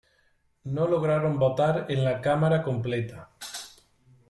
No lograron votar en la Cámara completa.